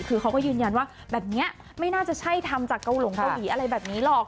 คือเขาก็ยืนยันว่าแบบนี้ไม่น่าจะใช่ทำจากเกาหลงเกาหลีอะไรแบบนี้หรอก